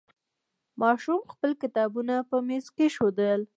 ماشوم خپل کتابونه په میز کېښودل.